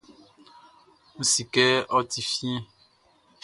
N si kɛ ɔ ti fiɛn.